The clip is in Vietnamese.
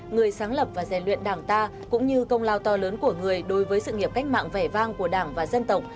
người sáng lập và dè luyện đảng ta cũng như công lao to lớn của người đối với sự nghiệp cách mạng vẻ vang của đảng và dân tộc